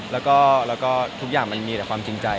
แล้วก็ทุกอย่างมันมีแต่ความจริงใจ